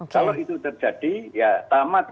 kalau itu terjadi ya tamat